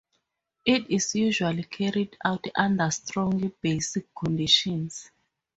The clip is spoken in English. It is usually carried out under strongly basic conditions.